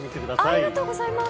ありがとうございます。